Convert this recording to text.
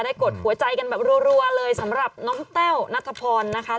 กดหัวใจกันแบบรัวเลยสำหรับน้องแต้วนัทพรนะคะ